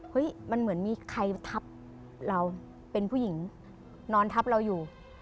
มันเหมือนมีใครทับเราเป็นผู้หญิงนอนทับเราอยู่